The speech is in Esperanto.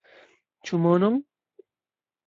Ĉu monon?